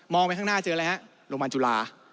ไปข้างหน้าเจออะไรฮะโรงพยาบาลจุฬา